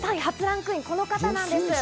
初ランクイン、この方なんです！